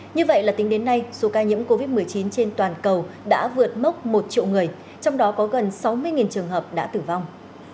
như vậy là tính đến nay số ca nhiễm covid một mươi chín trên toàn cầu đã vượt mốc một triệu người trong đó có gần sáu mươi trường hợp đã tử vong